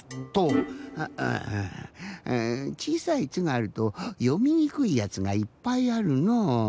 ああぁちいさい「ツ」があるとよみにくいやつがいっぱいあるのう。